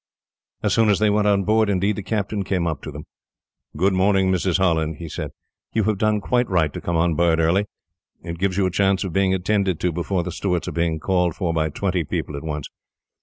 As soon as they went on board, indeed, the captain came up to them. "Good morning, Mrs. Holland," he said. "You have done quite right to come on board early. It gives you a chance of being attended to, before the stewards are being called for by twenty people at once."